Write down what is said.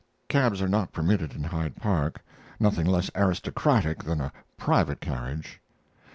[Cabs are not permitted in Hyde Park nothing less aristocratic than a private carriage.